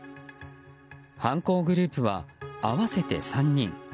犯行グループは合わせて３人。